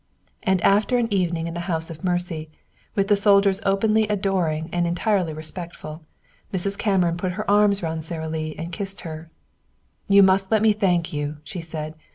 And after an evening in the house of mercy, with the soldiers openly adoring and entirely respectful, Mrs. Cameron put her arms round Sara Lee and kissed her. "You must let me thank you," she said.